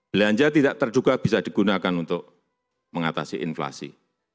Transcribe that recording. belanja tidak terduga bisa digunakan untuk mengatasi inflasi